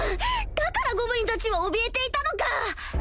だからゴブリンたちはおびえていたのか！